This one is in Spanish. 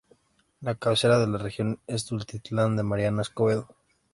La cabecera de la región es Tultitlán de Mariano Escobedo.